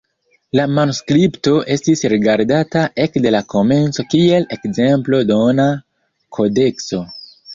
La manuskripto estis rigardata ekde la komenco kiel ekzemplo-dona kodekso.